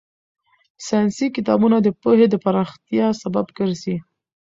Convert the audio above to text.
ساينسي کتابونه د پوهې د پراختیا سبب ګرځي.